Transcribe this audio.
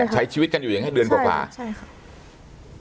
ใช้ชีวิตกันอยู่อย่างนี้เดือนกว่าใช่ค่ะ